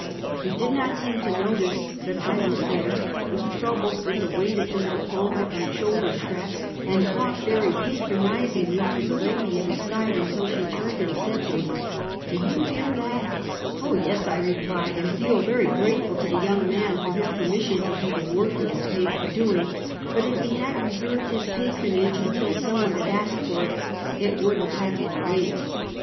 He did not seem to notice that I was there, was troubled with the weight of his diploma and shoulder straps, and talked very patronizingly to the lady at his side, until she turned, and said to me: " Do you hear that?" 324 Half a Centuky. " Ohj yes," I replied, " and feel very grateful to the young man for liis permission to do the work he is paid for doing, but if he had reserved his patronage until some one had asked for it, it would have had more weight."